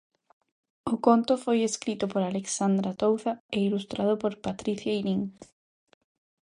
O conto foi escrito por Alexandra touza e ilustrado por Patricia eirín.